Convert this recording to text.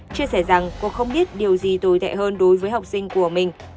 chia sẻ rằng cô không biết điều gì tồi tệ hơn đối với học sinh của mình